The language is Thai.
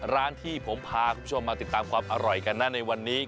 ร้านที่ผมพาคุณผู้ชมมาติดตามความอร่อยกันนะในวันนี้